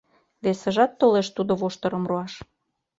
Весыжат толеш тудо воштырым руаш.